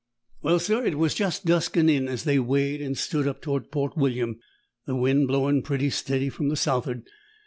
"Well, sir, it was just dusking in as they weighed and stood up towards Port William, the wind blowing pretty steady from the south'ard.